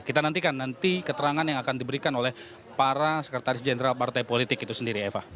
kita nantikan nanti keterangan yang akan diberikan oleh para sekretaris jenderal partai politik itu sendiri eva